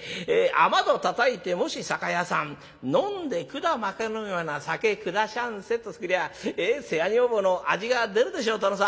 『雨戸たたいてもし酒屋さん飲んでくだ巻かぬよな酒くだしゃんせ』と来りゃ世話女房の味が出るでしょ殿さん」。